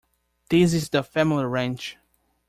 This is the family ranch.